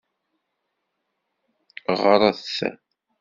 Ɣret!